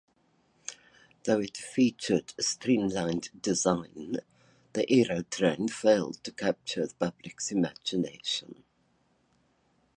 Though it featured a streamlined design, the "Aerotrain" failed to capture the public's imagination.